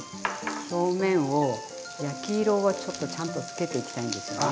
表面を焼き色をちょっとちゃんとつけていきたいんですよね。